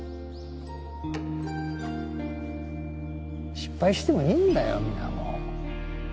失敗してもいいんだよ水面